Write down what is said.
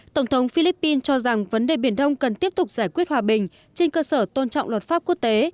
tổng thống philippines cho rằng vấn đề biển đông cần tiếp tục giải quyết hòa bình trên cơ sở tôn trọng luật pháp quốc tế